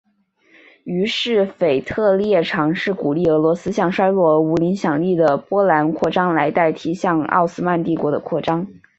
于是腓特烈尝试鼓励俄罗斯向衰弱而无影响力的波兰扩张来代替向奥斯曼帝国的扩张。